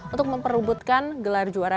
untuk memperlubutkan gelar juara